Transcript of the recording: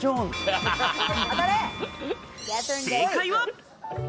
正解は。